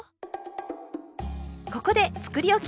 ここでつくりおき